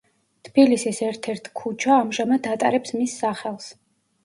თბილისის ერთ-ერთ ქუჩა ამჟამად ატარებს მის სახელს.